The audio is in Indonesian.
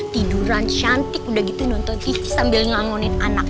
tiduran cantik udah gitu nonton tv sambil ngangunin anak